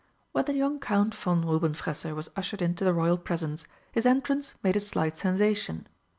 When the young Count von Rubenfresser was ushered into the Royal presence his entrance made a slight sensation.